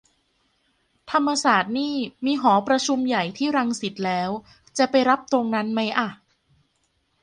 ธรรมศาสตร์นี่มีหอประชุมใหญ่ที่รังสิตแล้ว จะไปรับตรงนั้นไหมอะ